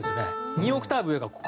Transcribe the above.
２オクターブ上がここ。